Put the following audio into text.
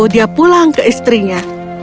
dia pulang ke istrinya